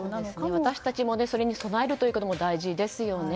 私たちもそれに備えることも大事ですよね。